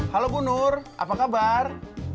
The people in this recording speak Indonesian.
halo bu nur apa kabar